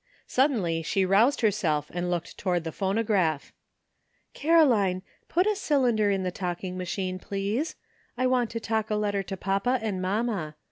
Suddenly she roused herself and looked toward the phonograph. " Caroline, put a cylinder in the talking ma chine, please. I want to talk a letter to papa and mamma.